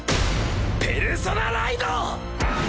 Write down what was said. ペルソナライド！